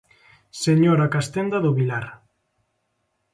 Señora Castenda do Vilar.